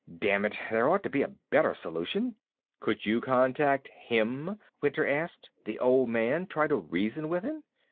"Damn it, there ought to be a better solution." "Could you contact him?" Winter asked. "The Old Man? Try to reason with him?"